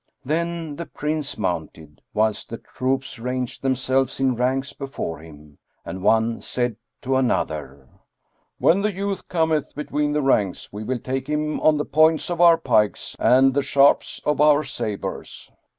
Then the Prince mounted, whilst the troops ranged themselves in ranks before him, and one said to another, "When the youth cometh between the ranks, we will take him on the points of our pikes and the sharps of our sabres."